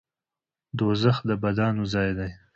دوزخ د بدانو ځای دی